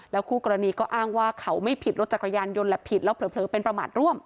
คู่กรณีก็อ้างว่าเขาไม่ผิดรถจักรยานยนต์แหละผิดแล้วเผลอเป็นประมาทร่วม